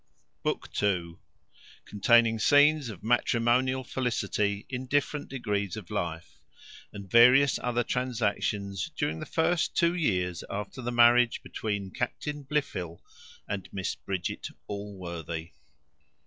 BOOK II. CONTAINING SCENES OF MATRIMONIAL FELICITY IN DIFFERENT DEGREES OF LIFE; AND VARIOUS OTHER TRANSACTIONS DURING THE FIRST TWO YEARS AFTER THE MARRIAGE BETWEEN CAPTAIN BLIFIL AND MISS BRIDGET ALLWORTHY.